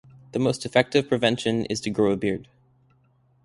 The most effective prevention is to grow a beard.